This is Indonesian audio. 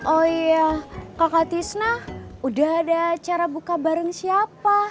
oh iya kakak tisna udah ada cara buka bareng siapa